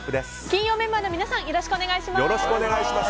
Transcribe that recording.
金曜メンバーの皆さんよろしくお願いします。